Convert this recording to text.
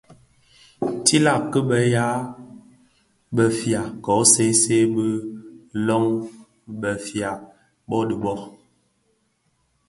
Tülag ki bëya bëfia kō see see bi lön befia bō dhi bō,